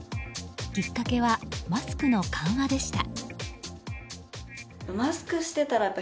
きっかけは、マスクの緩和でした。